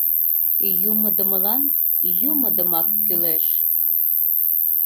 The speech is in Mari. Юмыдымылан юмыдымак кӱлеш...